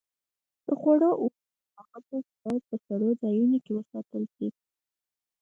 د خوړو اومه او پاخه توکي باید په سړو ځایونو کې وساتل شي.